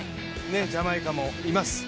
ジャマイカもいます。